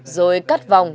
rồi cắt vòng